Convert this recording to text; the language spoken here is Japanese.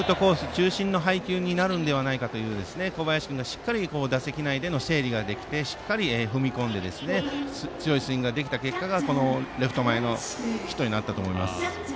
中心の配球になるのではないかということで小林君がしっかり打席内で整理ができてしっかり踏み込んで強いスイングができた結果がこのレフト前へのヒットになったと思います。